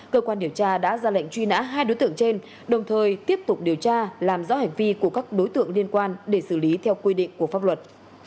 cơ quan điều tra đã ra lệnh truy nã hai đối tượng trên đồng thời tiếp tục điều tra làm rõ hành vi của các đối tượng liên quan để xử lý theo quy định của pháp luật